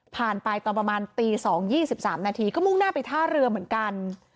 ไปตอนประมาณตี๒๒๓นาทีก็มุ่งหน้าไปท่าเรือเหมือนกัน